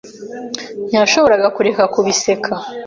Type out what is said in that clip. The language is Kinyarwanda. Ntiyashoboraga kureka kubiseka.